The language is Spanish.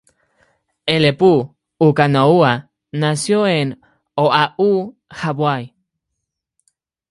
Elepuʻukahonua nació en Oʻahu, Hawái.